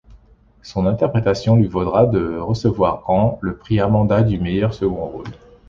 Son interprétation lui vaudra de recevoir en le Prix Amanda du meilleur second rôle.